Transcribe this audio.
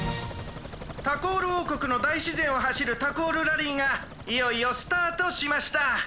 タコールおうこくのだいしぜんをはしるタコールラリーがいよいよスタートしました。